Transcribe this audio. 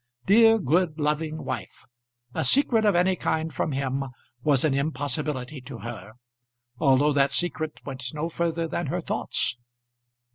Dear, good, loving wife! A secret of any kind from him was an impossibility to her, although that secret went no further than her thoughts.